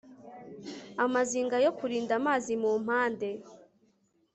amazinga yo kurinda amazi mu mpande